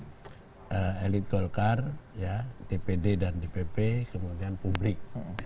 kemudian elit golkar dpd dan dpp kemudian publik